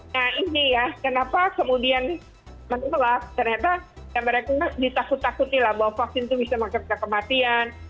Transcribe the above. nah ini ya kenapa kemudian menolak ternyata ya mereka ditakut takuti lah bahwa vaksin itu bisa mengakibatkan kematian